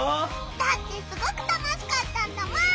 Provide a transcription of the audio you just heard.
だってすごく楽しかったんだもん！